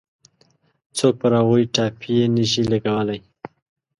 څوک پر هغوی ټاپې نه شي لګولای.